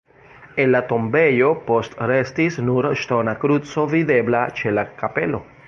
El la tombejo postrestis nur ŝtona kruco videbla ĉe la kapelo.